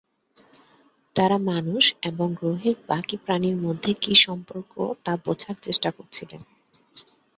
তাঁরা মানুষ এবং গ্রহের বাকী প্রাণির মধ্যে কি সম্পর্ক তা বোঝার চেষ্টা করছিলেন।